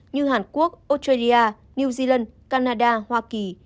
như hàn quốc australia new zealand canada hoa kỳ